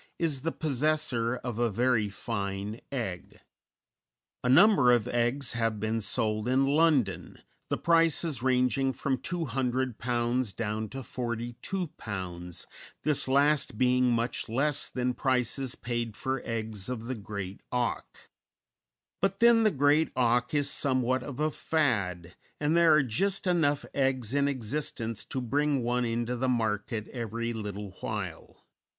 is the possessor of a very fine egg. A number of eggs have been sold in London, the prices ranging from £200 down to £42, this last being much less than prices paid for eggs of the great auk. But then, the great auk is somewhat of a fad, and there are just enough eggs in existence to bring one into the market every little while.